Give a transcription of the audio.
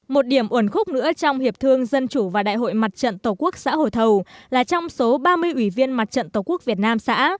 một điểm ổn khúc nữa trong hiệp thương dân chủ và đại hội mặt trận tổ quốc xã hồ thầu là trong số ba mươi ủy viên mặt trận tổ quốc việt nam xã